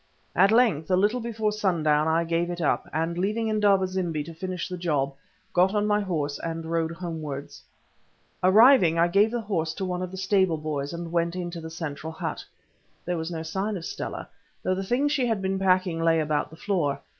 At length, a little before sundown, I gave it up, and leaving Indaba zimbi to finish the job, got on my horse and rode homewards. Arriving, I gave the horse to one of the stable boys, and went into the central hut. There was no sign of Stella, though the things she had been packing lay about the floor.